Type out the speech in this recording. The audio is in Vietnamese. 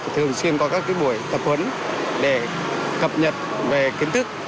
thường xuyên có các buổi tập huấn để cập nhật về kiến thức